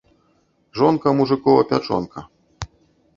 Жонка – мужыкова пячонка